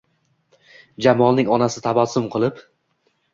Jamolning onasi tabassum qilib